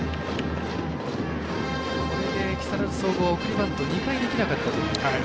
これで木更津総合送りバント２回できなかったという。